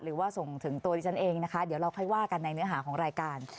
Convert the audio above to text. หรือว่าส่งถึงตัวดิฉันเองนะคะเดี๋ยวเราค่อยว่ากันในเนื้อหาของรายการ